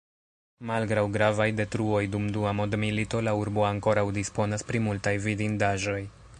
Malgraŭ gravaj detruoj dum Dua Mondmilito la urbo ankoraŭ disponas pri multaj vidindaĵoj.